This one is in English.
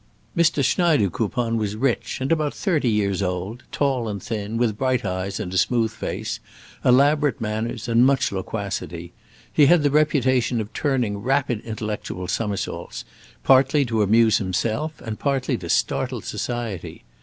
Mr. Schneidekoupon was rich, and about thirty years old, tall and thin, with bright eyes and smooth face, elaborate manners and much loquacity. He had the reputation of turning rapid intellectual somersaults, partly to amuse himself and partly to startle society.